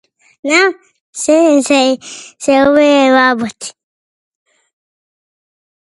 Знам се за овие работи.